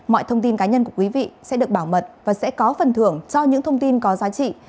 mọi thông tin cá nhân của quý vị sẽ được bảo mật và sẽ có phần thưởng cho những thông tin có giá trị